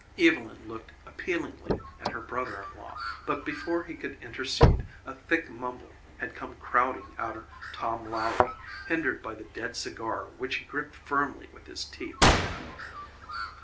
Evylyn looked appealingly at her brother in law, but before he could intercede a thick mumble had come crowding out of Tom Lowrie, hindered by the dead cigar which he gripped firmly with his teeth.